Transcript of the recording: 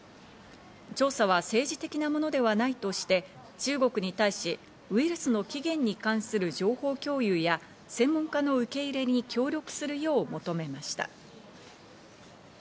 調査は政治的なものではないとして、中国に対しウイルスの起源に関する情報共有や専門家の受け入れに協力するよう求めました。